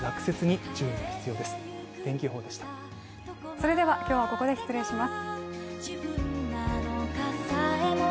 それでは今日はここで失礼します。